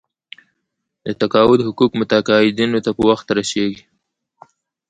د تقاعد حقوق متقاعدینو ته په وخت رسیږي.